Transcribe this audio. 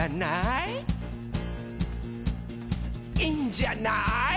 「いいんじゃない？」